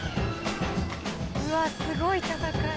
うわすごい戦い！